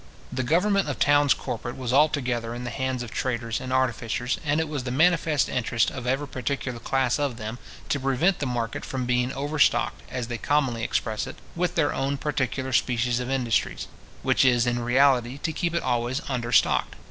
The government of towns corporate was altogether in the hands of traders and artificers, and it was the manifest interest of every particular class of them, to prevent the market from being overstocked, as they commonly express it, with their own particular species of industry; which is in reality to keep it always understocked.